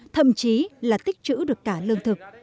thậm chí là tích trữ được cả lương thực